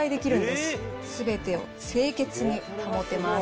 すべてを清潔に保てます。